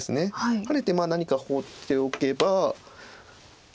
ハネて何か放っておけば。